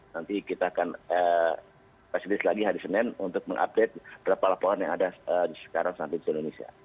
nanti kita akan presidis lagi hari senin untuk mengupdate berapa laporan yang ada sekarang sampai di indonesia